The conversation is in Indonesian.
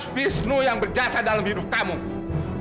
wisnu tadi itu dia yang membuat lagian kita susah